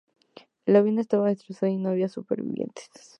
El avión estaba destrozado, y no había supervivientes.